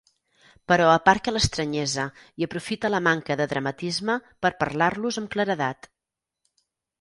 Però aparca l'estranyesa i aprofita la manca de dramatisme per parlar-los amb claredat.